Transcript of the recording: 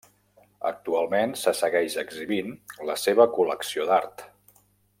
Actualment se segueix exhibint la seva col·lecció d'art.